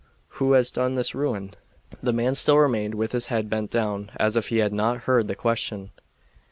"Who has done this ruin?" The man still remained with his head bent down, as if he had not heard the question.